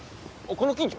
この近所？